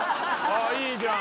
・いいじゃん。